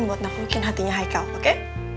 nggak mungkin hatinya high calc oke